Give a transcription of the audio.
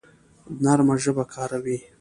نرمه ژبه کاروئ